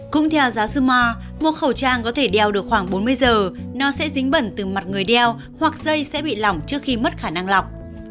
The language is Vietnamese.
cũng theo giáo sư ma một khẩu trang có thể đeo được khoảng bốn mươi giờ nó sẽ dính bẩn từ mặt người đeo hoặc dây sẽ bị lỏng trước khi mất khả năng lọc